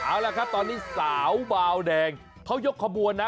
เอาล่ะครับตอนนี้สาวบาวแดงเขายกขบวนนะ